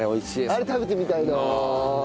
あれ食べてみたいな。